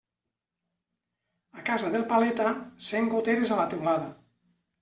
A casa del paleta, cent goteres a la teulada.